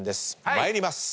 参ります。